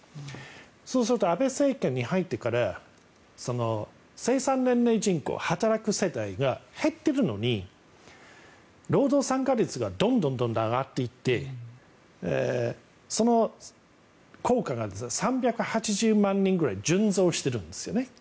そうすると安倍政権に入ってから生産年齢人口働く世帯が減っているのに労働参加率がどんどん上がっていってその効果が３８０万人くらい純増してるんですね。